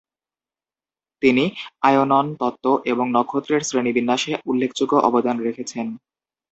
তিনি আয়নন তত্ত্ব এবং নক্ষত্রের শ্রেণিবিন্যাসে উল্লেখযোগ্য অবদান রেখেছেন।